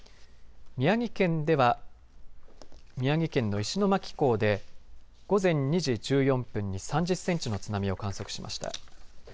宮城県では宮城県の石巻港で午前２時１４分に３０センチの津波を観測しました。